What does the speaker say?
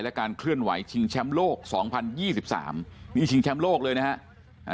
และการเคลื่อนไหวชิงแชมป์โลก๒๐๒๓มียิงชิงแชมป์โลกเลยนะ